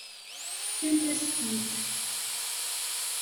Fkan-as-t-id.